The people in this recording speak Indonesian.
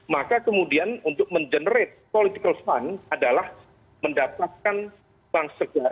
maka kemudian untuk mengenerate political fund adalah mendapatkan bank segar